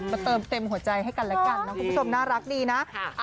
เติมเต็มหัวใจให้กันแล้วกันนะคุณผู้ชมน่ารักดีนะ